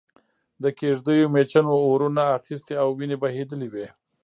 د کېږدیو مېچنو اورونه اخستي او وينې بهېدلې وې.